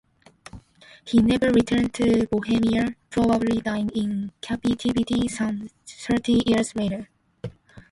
He never returned to Bohemia, probably dying in captivity some thirty years later.